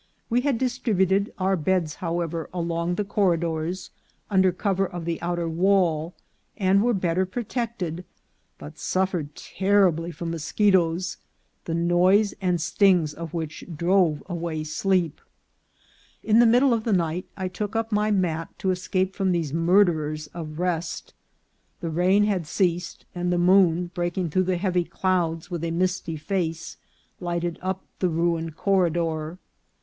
We had distributed our beds, however, along the corridors, under cover of the outer wall, and were better protected, but suffered terribly from mosche toes, the noise and stings of which drove away sleep. In the middle of the night I took up my mat to escape from these murderers of rest. The rain had ceased, and the moon, breaking through the heavy clouds, with a misty face lighted up the ruined corridor.